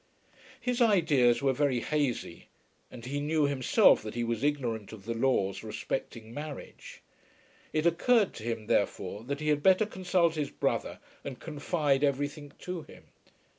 His ideas were very hazy, and he knew himself that he was ignorant of the laws respecting marriage. It occurred to him, therefore, that he had better consult his brother, and confide everything to him.